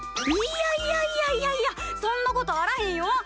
いやいやいやいやいやそんなことあらへんよ。